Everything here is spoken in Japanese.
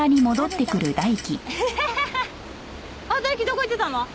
どこ行ってたの？